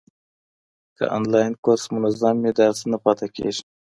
که انلاین کورس منظم وي، درس نه پاته کېږي.